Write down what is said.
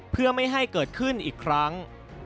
เพื่อไม่ให้เกิดขึ้นอีกครั้ง